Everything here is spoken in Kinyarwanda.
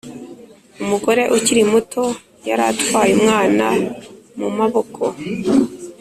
umugore ukiri muto yari atwaye umwana mu maboko.